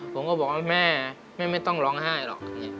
ผมก็บอกว่าแม่แม่ไม่ต้องร้องไห้หรอก